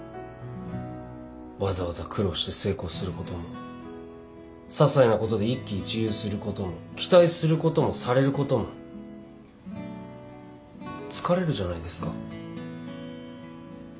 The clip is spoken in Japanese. わざわざ苦労して成功することもささいなことで一喜一憂することも期待することもされることも疲れるじゃないですか。